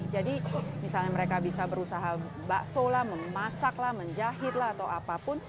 jadi misalnya mereka bisa berusaha bakso lah memasak lah menjahit lah atau apapun